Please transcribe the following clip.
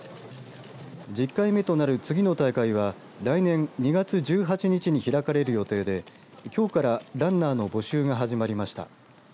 １０回目となる次の大会は来年２月１８日に開かれる予定できょうからランナーの募集が始まりました。